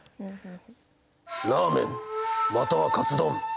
ラーメンまたはかつ丼！